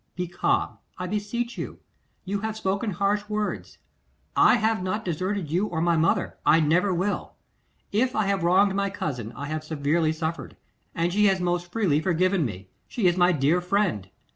Be calm, I beseech you; you have spoken harsh words; I have not deserted you or my mother; I never will. If I have wronged my cousin, I have severely suffered, and she has most freely forgiven me. She is my dear friend.